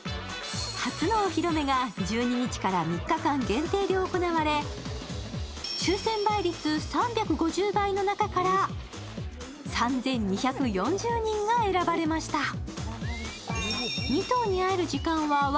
初のお披露目が１２日から３日間限定で行われ、抽選倍率３５０倍の中から３２４０人が選ばれました。